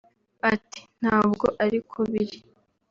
ati “Ntabwo ariko biri